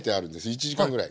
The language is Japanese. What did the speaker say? １時間ぐらい。